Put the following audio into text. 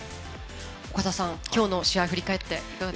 岡田さん、今日の試合振り返って。